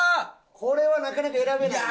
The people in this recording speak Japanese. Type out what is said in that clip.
これはなかなか選べないよ。